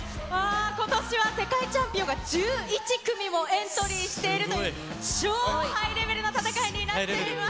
ことしは世界チャンピオンが１１組もエントリーしているという、超ハイレベルな闘いになっています。